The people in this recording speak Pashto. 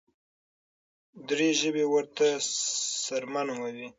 دري ژبي ورته سرمه نوموي.